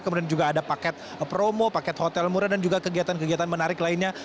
kemudian juga ada paket promo paket hotel murah dan juga kegiatan kegiatan menarik lainnya